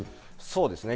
そうですね。